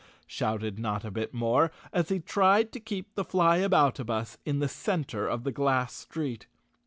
shouted Notta Bit More, as he tried to keep the Flyaboutabus in the cen of the glass street.